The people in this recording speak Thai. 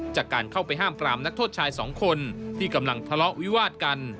จากการเข้าไปห้ามปรามนักโทษชายสองคนที่กำลังทะเลาะวิวาดกัน